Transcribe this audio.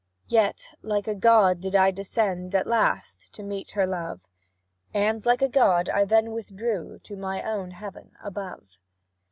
Yet, like a god did I descend At last, to meet her love; And, like a god, I then withdrew To my own heaven above.